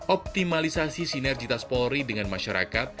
optimalisasi sinergitas polri dengan masyarakat